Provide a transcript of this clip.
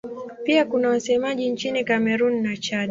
Pia kuna wasemaji nchini Kamerun na Chad.